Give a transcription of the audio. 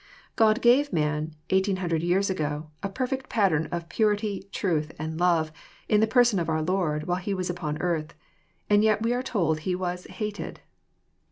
God gave man, 1800 years ago, a perfect pattern of purity, truth, and love, in the person of our Lord while He was upon earth. And yet we are told He was *' hated.